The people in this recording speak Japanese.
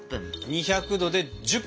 ２００℃で１０分。